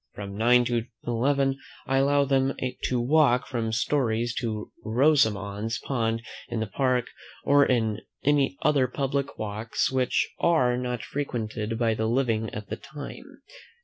From nine to eleven I allow them to walk from Story's to Rosamond's pond in the Park or in any other public walks which are not frequented by the living at that time.